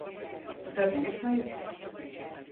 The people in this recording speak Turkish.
Tabii hayır.